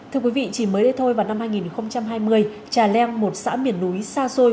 thưa quý vị chỉ mới đây thôi vào năm hai nghìn hai mươi trà leng một xã miền núi xa xôi